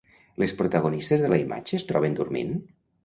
Les protagonistes de la imatge es troben dormint?